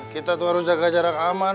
kita tuh harus jaga jarak aman